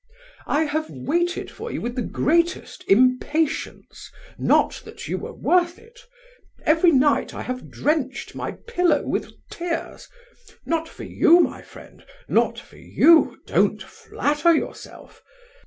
"I have waited for you with the greatest impatience (not that you were worth it). Every night I have drenched my pillow with tears, not for you, my friend, not for you, don't flatter yourself!